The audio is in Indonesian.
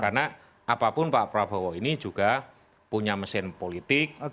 karena apapun pak prabowo ini juga punya mesin politik